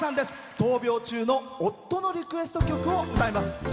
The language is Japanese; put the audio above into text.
闘病中の夫のリクエスト曲を歌います。